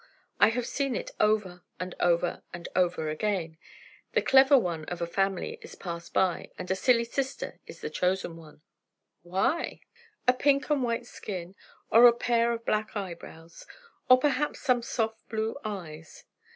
I have seen it over and over and over again; the clever one of a family is passed by, and a silly sister is the one chosen." "Why?" "A pink and white skin, or a pair of black eyebrows, or perhaps some soft blue eyes."